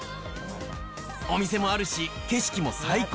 お店もあるし、景色も最高。